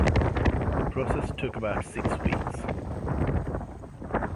The process took about six weeks.